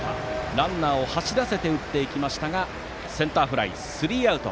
ランナーを走らせて打っていきましたがセンターフライ、スリーアウト。